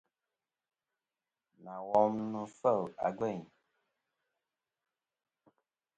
Nà wom nɨ̀n fêl a gvêyn.